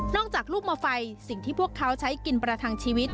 จากลูกมอไฟสิ่งที่พวกเขาใช้กินประทังชีวิต